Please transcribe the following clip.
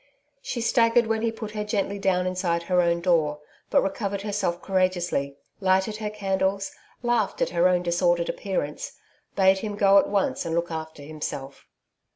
She staggered when he put her gently down inside her own door, but recovered herself courageously, lighted her candles, laughed at her own disordered appearance, bade him go at once and look after himself.